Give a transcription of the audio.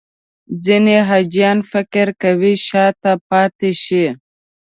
ځینې حاجیان فکر کوي شاته پاتې شي.